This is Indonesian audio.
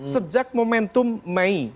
sejak momentum mei